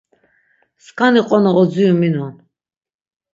Skani qona odziru minon.